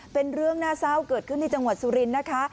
เป็นเรื่องน่าเศร้าเกิดขึ้นที่จังหวัดสุรินทร์นะคะ